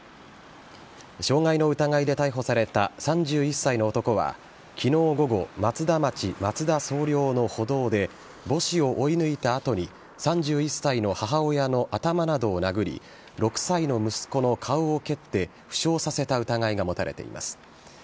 傷害の疑いで逮捕された３１歳の男は、きのう午後、松田町松田惣領の歩道で、母子を追い抜いたあとに、３１歳の母親の頭などを殴り、６歳の息子の顔を蹴って、負傷させた疑いが持たれています。